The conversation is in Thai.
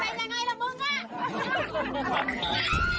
ใครฟ้าทำให้ว่ายังไงล่ะมึงอ่ะ